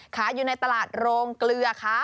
ขายอยู่ในตลาดโรงเกลือค่ะ